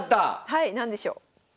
はい何でしょう？